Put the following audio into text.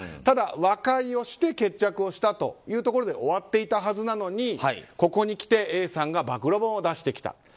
ただ、和解をして決着をしたというところで終わっていたはずなのにここにきてＡさんが暴露本を出してきた。